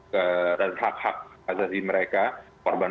harga hak asasi mereka